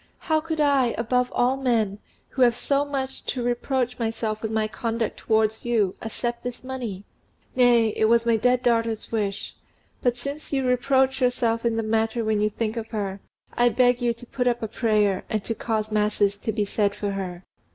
"How could I, above all men, who have so much to reproach myself with in my conduct towards you, accept this money?" "Nay; it was my dead daughter's wish. But since you reproach yourself in the matter when you think of her, I will beg you to put up a prayer and to cause masses to be said for her."